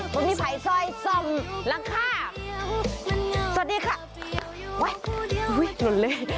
บอมมี่ภัยซอยซ่อมหลังคาสวัสดีค่ะอุ้ยอุ้ยหล่นเลย